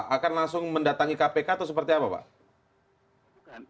akan langsung mendatangi kpk atau seperti apa pak